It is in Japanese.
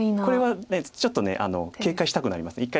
これはちょっと警戒したくなります